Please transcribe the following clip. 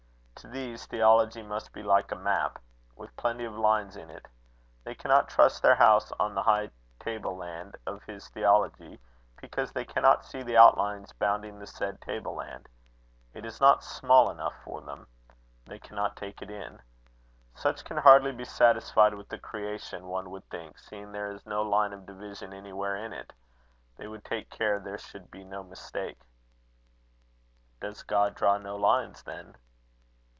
To these, theology must be like a map with plenty of lines in it. They cannot trust their house on the high table land of his theology, because they cannot see the outlines bounding the said table land. It is not small enough for them. They cannot take it in. Such can hardly be satisfied with the creation, one would think, seeing there is no line of division anywhere in it. They would take care there should be no mistake." "Does God draw no lines, then?"